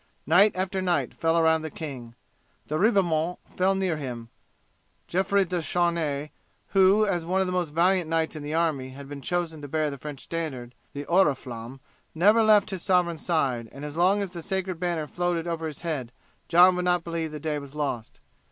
Knight after knight fell around the king. De Ribaumont fell near him. Jeffrey de Charny, who, as one of the most valiant knights in the army, had been chosen to bear the French standard, the oriflamme, never left his sovereign's side, and as long as the sacred banner floated over his head John would not believe the day was lost.